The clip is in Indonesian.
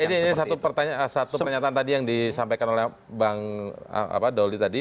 ini satu pernyataan tadi yang disampaikan oleh bang doli tadi